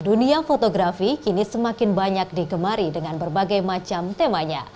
dunia fotografi kini semakin banyak digemari dengan berbagai macam temanya